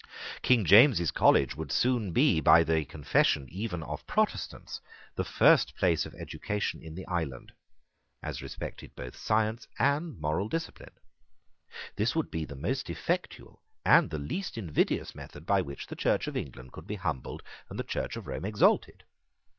King James's College would soon be, by the confession even of Protestants, the first place of education in the island, as respected both science and moral discipline. This would be the most effectual and the least invidious method by which the Church of England could be humbled and the Church of Rome exalted.